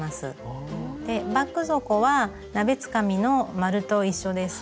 バッグ底は鍋つかみの円と一緒です。